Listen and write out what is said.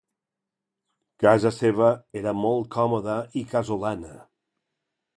Casa seva era molt còmoda i casolana